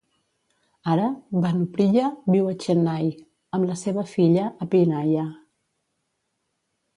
Ara Bhanupriya viu a Chennai amb la seva filla Abhinaya.